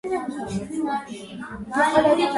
ის ყველაზე დიდი ნივთია, რომელიც ოკეანის ფსკერიდან ამოზიდეს.